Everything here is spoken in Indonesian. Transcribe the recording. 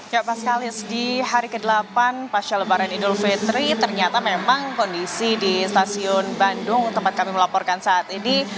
ya pak sekali di hari ke delapan pasca lebaran idul fitri ternyata memang kondisi di stasiun bandung tempat kami melaporkan saat ini